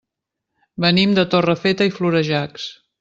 Venim de Torrefeta i Florejacs.